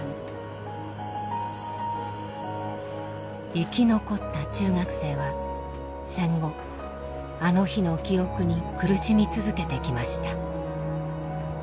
生き残った中学生は戦後あの日の記憶に苦しみ続けてきました。